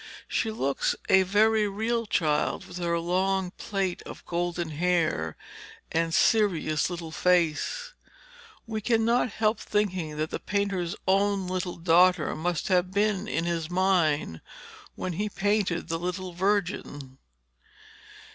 She looks a very real child with her long plait of golden hair and serious little face, and we cannot help thinking that the painter's own little daughter must have been in his mind when he painted the little Virgin.